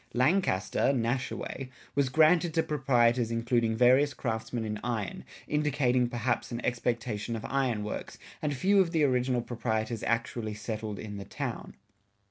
[57:2] Lancaster (Nashaway) was granted to proprietors including various craftsmen in iron, indicating, perhaps, an expectation of iron works, and few of the original proprietors actually settled in the town.